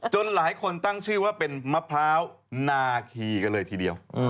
หลายคนตั้งชื่อว่าเป็นมะพร้าวนาคีกันเลยทีเดียว